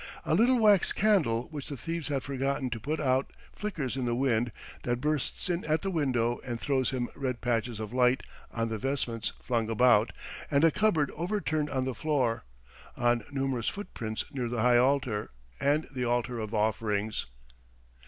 ... A little wax candle which the thieves had forgotten to put out flickers in the wind that bursts in at the window and throws dim red patches of light on the vestments flung about and a cupboard overturned on the floor, on numerous footprints near the high altar and the altar of offerings.